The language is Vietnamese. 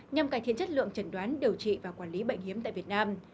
nhằm cải thiện chất lượng trần đoán điều trị và quản lý bệnh hiếm tại việt nam